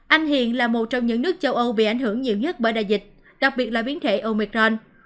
anh hiền là một trong những nước châu âu bị ảnh hưởng nhiều nhất bởi đại dịch đặc biệt là biến thể omicron